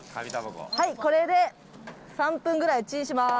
はいこれで３分ぐらいチンします。